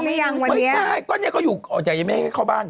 ไม่ใช่ตอนนี้ก็อยู่อ๋อแต่แบบนึงยังไม่ได้เข้าบ้าน